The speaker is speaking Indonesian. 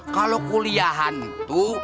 kalau kuliahan itu